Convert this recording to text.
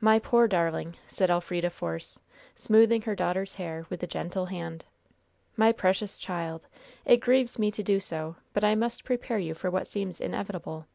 "My poor darling," said Elfrida Force, smoothing her daughter's dark hair with a gentle hand, "my precious child! It grieves me to do so, but I must prepare you for what seems inevitable.